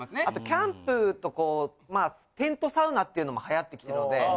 あとキャンプとこうテントサウナっていうのも流行ってきてるので。